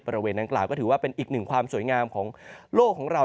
บริเวณนางกล่าวก็ถือว่าเป็นอีกหนึ่งความสวยงามของโลกของเรา